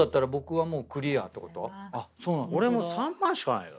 俺もう３万しかないよ。